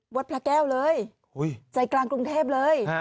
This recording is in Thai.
วัดพระแก้วเลยใจกลางกรุงเทพเลย